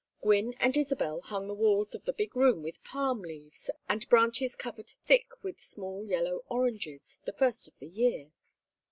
Gwynne and Isabel hung the walls of the big room with palm leaves, and branches covered thick with small yellow oranges, the first of the year.